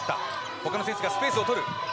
ほかの選手がスペースを取る。